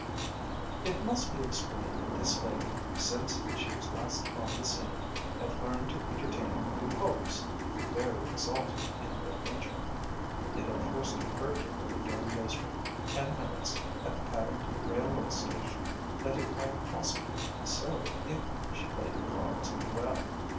It must be explained that this lady, since she was last upon the scene, had learned to entertain new hopes, very exalted in their nature. It had first occurred to her during those ten minutes at the Paddington railway station, that it might possibly be so if she played her cards well.